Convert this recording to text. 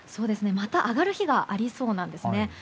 また上がる日がありそうなんですね。